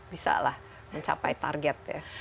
bisa lah mencapai target ya